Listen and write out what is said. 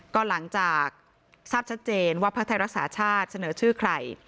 ก็หลังจากทราบชัดเจนว่าพักไทยรักษาชาติเสนอชื่อใคร